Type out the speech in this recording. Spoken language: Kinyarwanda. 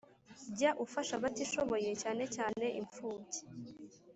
Jya ufasha abatishoboye cyane cyane imfubyi